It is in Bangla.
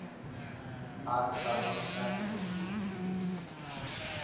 আজ সালমান শাহ নেই।